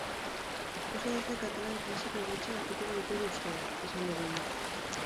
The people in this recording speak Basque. Oso idazle katalan klasiko gutxi aurkituko ditugu euskaraz, esan digunez.